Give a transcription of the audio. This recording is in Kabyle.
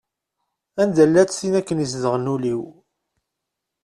Anda-llatt tin akken i izedɣen ul-iw?